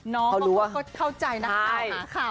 น้องเขาเข้าใจนะครับ